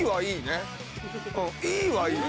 いいはいいよ。